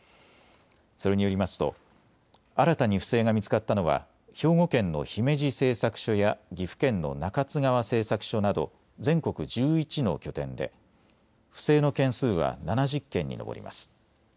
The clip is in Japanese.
それによりますと新たに不正が見つかったのは兵庫県の姫路製作所や岐阜県の中津川製作所など全国１１の拠点で不正の件数は７０件に上ります。